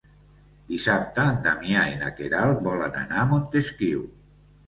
Dissabte en Damià i na Queralt volen anar a Montesquiu.